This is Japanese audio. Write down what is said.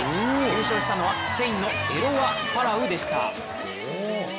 優勝したのは、スペインのエロワ・パラウでした。